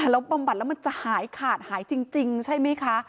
แล้วบำบัดจะหายขาดหายจริงใช่ไหมคะ